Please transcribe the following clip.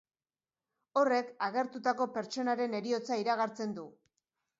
Horrek agertutako pertsonaren heriotza iragartzen du.